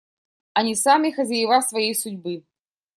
Они сами хозяева своей судьбы.